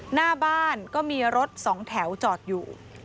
หน้าบ้านก็มีรถสองแถวจอดอยู่